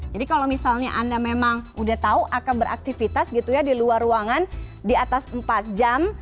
jadi kalau misalnya anda memang sudah tahu akan beraktifitas gitu ya di luar ruangan di atas empat jam